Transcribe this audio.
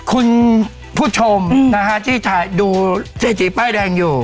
คุณผู้ชมนะฮะที่ดูเศรษฐีป้ายแดงอยู่